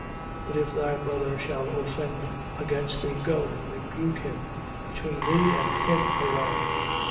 18:15. But if thy brother shall offend against thee, go, and rebuke him between thee and him alone.